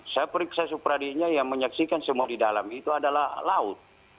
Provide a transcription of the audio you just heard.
saya periksa supradinya yang menyaksikan semua di dalam itu adalah laut